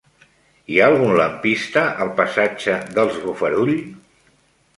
Hi ha algun lampista al passatge dels Bofarull?